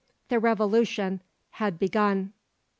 The revolution had begun.